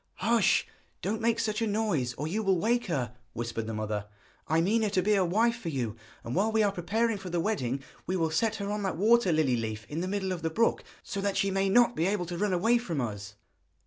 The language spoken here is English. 'Hush; don't make such a noise or you will wake her!' whispered the mother. 'I mean her to be a wife for you, and while we are preparing for the wedding we will set her on that water lily leaf in the middle of the brook, so that she may not be able to run away from us.'